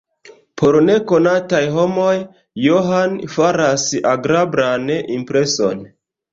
Por nekonataj homoj Johan faras agrablan impreson.